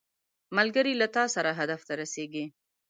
ملګری له تا سره هدف ته رسیږي